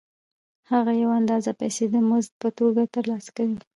هغه یوه اندازه پیسې د مزد په توګه ترلاسه کوي